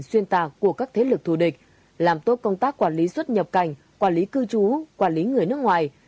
xuyên tạc của các thế lực thù địch làm tốt công tác quản lý xuất nhập cảnh quản lý cư trú quản lý người nước ngoài